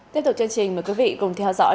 tiếp tục chương trình mời quý vị cùng theo dõi